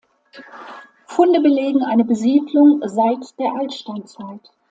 Funde belegen eine Besiedlung seit der Altsteinzeit.